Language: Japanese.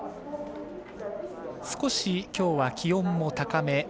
少し今日は気温も高め。